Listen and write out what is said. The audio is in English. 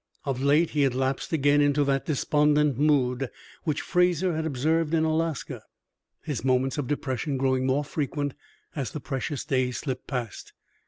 Of late he had lapsed again into that despondent mood which Fraser had observed in Alaska, his moments of depression growing more frequent as the precious days slipped past.